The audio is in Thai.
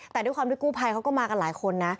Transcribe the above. แต่ด้วยความที่กู้ภัยเขาก็มากันหลายคนนะ